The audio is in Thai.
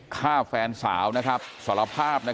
กลุ่มตัวเชียงใหม่